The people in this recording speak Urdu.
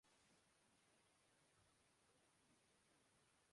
برائیڈل کوچیور ویک میں فیشن کے جلوے